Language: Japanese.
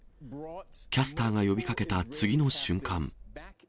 キャスターが呼びかけた次の瞬間。